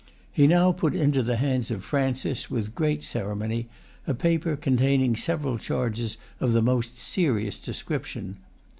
He now put into the hands of Francis, with great ceremony, a paper containing several charges of the most serious description.